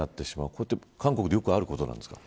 これって韓国でよくあることなんですか。